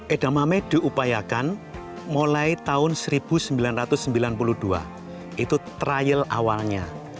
edamame diupayakan mulai tahun seribu sembilan ratus sembilan puluh dua itu trial awalnya